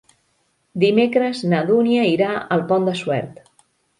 Dimecres na Dúnia irà al Pont de Suert.